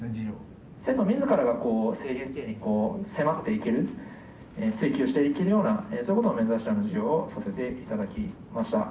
生徒自らが正弦定理に迫っていける追求していけるようなそういうことを目指した授業をさせて頂きました。